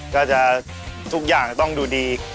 ก็จะทุกอย่างต้องดูดี